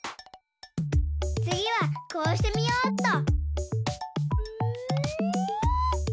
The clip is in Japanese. つぎはこうしてみようっと。